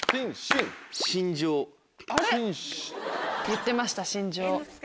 言ってました心情。